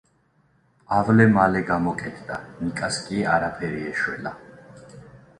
პავლე მალე გამოკეთდა, ნიკას კი არაფერი ეშველა.